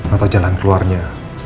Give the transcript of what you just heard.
atau jalan keluarnya